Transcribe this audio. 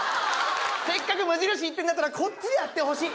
せっかく無印行ってたんだったら、こっちでやってほしい。